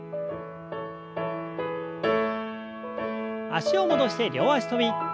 脚を戻して両脚跳び。